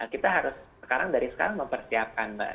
kita harus sekarang dari sekarang mempersiapkan mbak